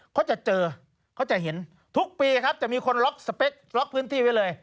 เขาจะเจอเขาจะเห็นทุกปีครับจะมีคนล็อกสเปคล็อกพื้นที่ไว้เลย